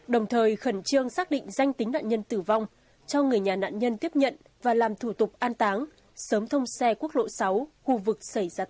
đồng thời khẩn trương xác định danh tính nạn nhân tử vong cho người nhà nạn nhân tiếp nhận và làm thủ tục an táng sớm thông xe quốc lộ sáu khu vực xảy ra tai nạn